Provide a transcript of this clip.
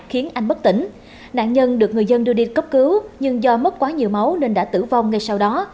khiến anh bất tỉnh nạn nhân được người dân đưa đi cấp cứu nhưng do mất quá nhiều máu nên đã tử vong ngay sau đó